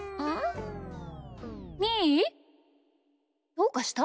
どうかした？